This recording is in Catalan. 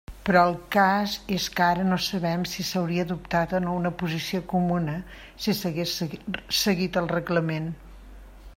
Però el cas és que ara no sabem si s'hauria adoptat o no una posició comuna si s'hagués seguit el reglament.